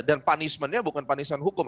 dan punishmentnya bukan punishment hukum